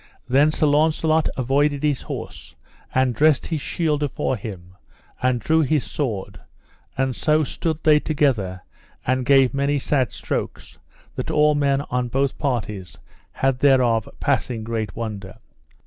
Then Sir Launcelot avoided his horse, and dressed his shield afore him, and drew his sword; and so stood they together and gave many sad strokes, that all men on both parties had thereof passing great wonder.